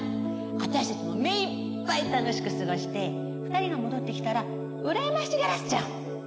私たちもめいっぱい楽しく過ごして２人が戻って来たらうらやましがらせちゃおう！